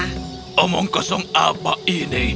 apa yang dia katakan